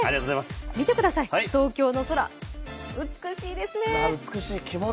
見てください、東京の空、美しいですね。